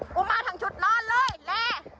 มาทั้งชุดนอนเลยแล